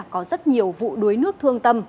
có rất nhiều vụ đuối nước thương tâm